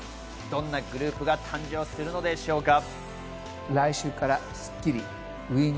どんなグループが誕生するのでしょうか。